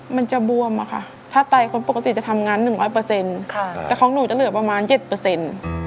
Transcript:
มันจะบวมค่ะถ้าไตคนปกติจะทำงาน๑๐๐แต่ของหนูจะเหลือประมาณ๗